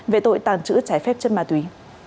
về tội tàn trữ trái phép chân ma túy